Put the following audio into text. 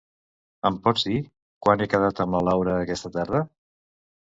Em pots dir quan he quedat amb la Laura aquesta tarda?